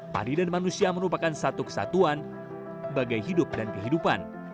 padi dan manusia merupakan satu kesatuan bagai hidup dan kehidupan